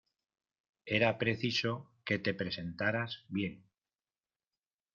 Era preciso que te presentaras bien.